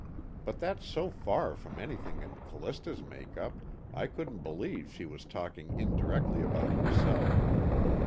But that's so far from anything in Callista's make up, I couldn't believe she was talking indirectly about herself.